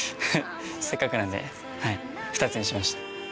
せっかくなんで２つにしました。